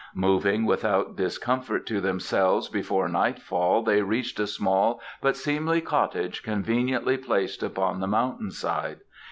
Moving without discomfort to themselves before nightfall they reached a small but seemly cottage conveniently placed upon the mountain side.